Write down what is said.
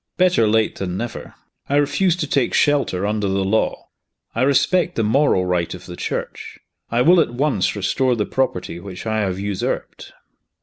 Better late than never. I refuse to take shelter under the law I respect the moral right of the Church. I will at once restore the property which I have usurped."